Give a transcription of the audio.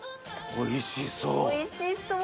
おいしそ。